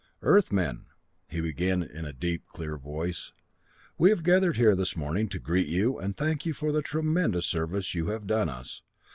"Earthmen," he began in a deep, clear voice, "we have gathered here this morning to greet you and thank you for the tremendous service you have done us.